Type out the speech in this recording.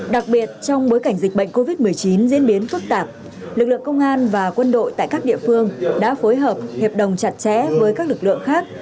đặc biệt trong bối cảnh dịch bệnh covid một mươi chín diễn biến phức tạp lực lượng công an và quân đội tại các địa phương đã phối hợp hiệp đồng chặt chẽ với các lực lượng khác